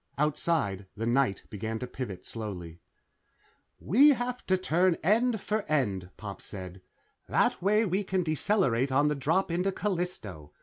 Outside, the night began to pivot slowly. "We have to turn end for end," Pop said. "That way we can decelerate on the drop into Callisto.